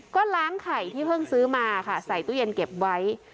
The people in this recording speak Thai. ก็ล้างไข่ที่เพิ่งซื้อมาค่ะใส่ตู้เย็นเก็บไว้